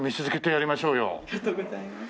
ありがとうございます。